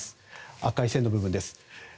赤い線の部分です。